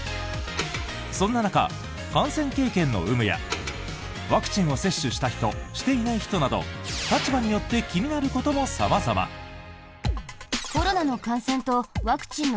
そんな中、感染経験の有無やワクチンを接種した人していない人など立場によって気になることも様々。などなど。